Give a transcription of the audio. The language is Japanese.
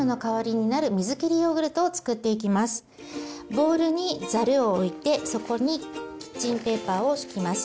ボウルにざるを置いてそこにキッチンペーパーを敷きます。